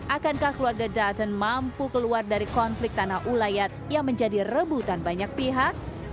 akankah keluarga dutton mampu keluar dari konflik tanah ulayat yang menjadi rebutan banyak pihak